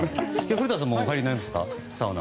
古田さんもお入りになりますか、サウナ。